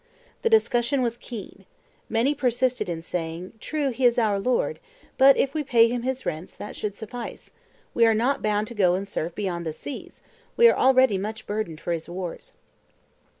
The discussion was keen. Many persisted in saying, "True, he is our lord; but if we pay him his rents, that should suffice: we are not bound to go and serve beyond the seas; we are already much burdened for his wars."